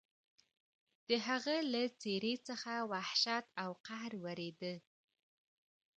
د هغه له څېرې څخه وحشت او قهر ورېده.